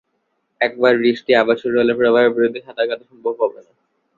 একবার বৃষ্টি আবার শুরু হলে প্রবাহের বিরুদ্ধে সাঁতার কাটা সম্ভব হবে না।